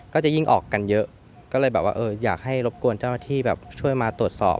ก็จะยิ่งออกกันเยอะก็เลยแบบว่าเอออยากให้รบกวนเจ้าหน้าที่แบบช่วยมาตรวจสอบ